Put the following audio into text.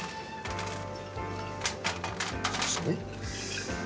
そして。